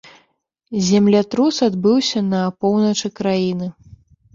Землятрус адбыўся на поўначы краіны.